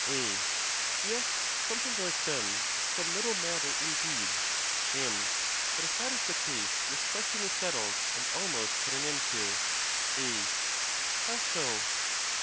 A. Yes; something was done, some little matter indeed. MM. But if that is the case, this question is settled, and almost put an end to. A. How so?